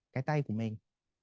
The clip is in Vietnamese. cái tay của mình